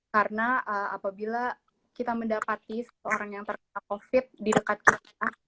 karena apabila kita mendapati seorang yang terkena covid di dekat kita